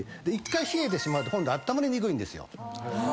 １回冷えてしまうと今度あったまりにくいんですよ。